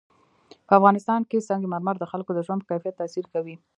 په افغانستان کې سنگ مرمر د خلکو د ژوند په کیفیت تاثیر کوي.